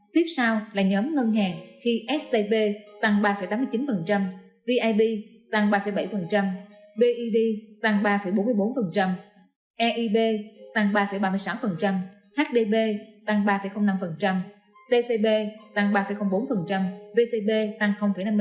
tiếp sau là nhóm ngân hàng khi scb tăng ba tám mươi chín vip tăng ba bảy bid tăng ba bốn mươi bốn eb tăng ba ba mươi sáu hdb tăng ba năm tcb tăng ba bốn vcb tăng năm mươi năm